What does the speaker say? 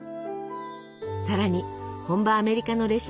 さらに本場アメリカのレシピを学び